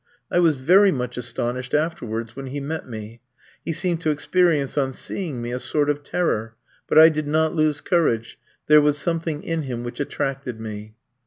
I was very much astonished afterwards, when he met me. He seemed to experience, on seeing me, a sort of terror; but I did not lose courage. There was something in him which attracted me.